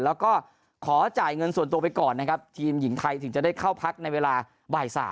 แล้วก็ขอจ่ายเงินส่วนตัวไปก่อนนะครับทีมหญิงไทยถึงจะได้เข้าพักในเวลาบ่าย๓